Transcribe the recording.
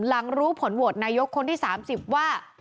หลังรู้ผลโหวตนายกคนที่๓๐ว่า